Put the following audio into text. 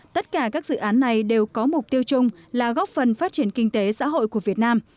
tất cả các dự án này đều có mục tiêu chung là góp phần phát triển kinh tế xã hội của việt nam